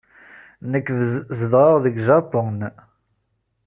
Nekk zedɣeɣ deg Japun.